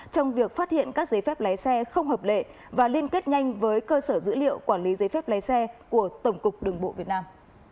trong việc phát hiện các giấy phép lái xe không hợp lệ và liên kết nhanh với cơ sở dữ liệu quản lý giấy phép lái xe của tổng cục đường bộ việt nam